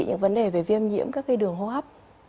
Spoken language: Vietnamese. những vấn đề về viêm nhiễm các đường hô hấp